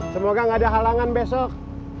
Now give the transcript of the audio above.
semoga gak ada halangan besok